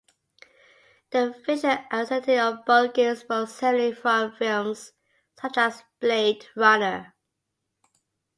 The visual aesthetic of both games borrows heavily from films such as "Blade Runner".